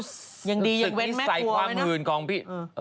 สิ่งที่ใส่ความหื่นของพี่